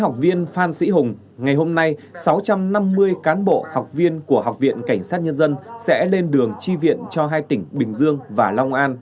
cảm ơn các bạn đã theo dõi